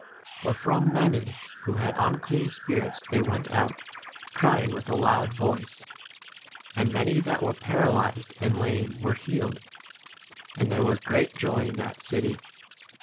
For from many 8 who had unclean spirits they went out, crying with a loud voice ; and many that were para 8 lyzed and lame were healed. And there was great joy in that city.